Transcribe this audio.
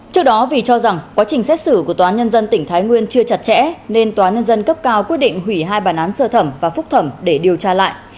trước đó vì cho rằng quá trình xét xử của tòa án nhân dân tỉnh thái nguyên chưa chặt chẽ nên tòa nhân dân cấp cao quyết định hủy hai bản án sơ thẩm và phúc thẩm để điều tra lại